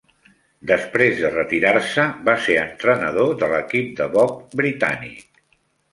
Després de retirar-se, va ser entrenador de l'equip de bob britànic.